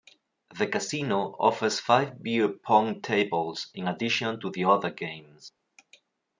The casino offers five beer pong tables in addition to the other games.